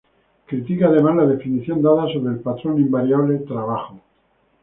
Critica además la definición dada sobre el patrón invariable "trabajo".